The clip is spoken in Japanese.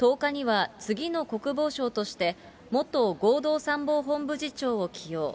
１０日には次の国防相として元合同参謀本部次長を起用。